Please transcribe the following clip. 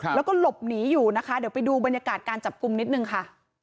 แล้วก็หลบหนีอยู่นะคะเดี๋ยวไปดูบรรยากาศการจับกลุ่มนิดนึงค่ะ